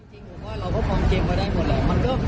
ให้เต็มในสถานเพื่อกดดัน